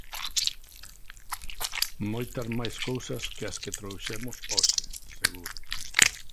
Moitas máis cousas que as que trouxemos hoxe, seguro.